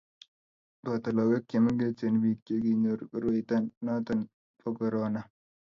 boto lagok che mengechen biik che kinyoru koroito noto bo korona